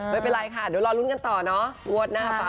มันเป็นไรค่ะเดี๋ยวรอรุ่นกันต่อเนอะ